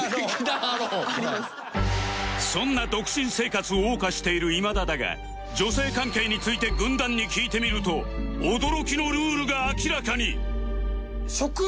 そんな独身生活を謳歌している今田だが女性関係について軍団に聞いてみると驚きのルールが明らかに